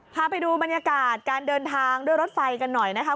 พาไปดูบรรยากาศการเดินทางด้วยรถไฟกันหน่อยนะคะ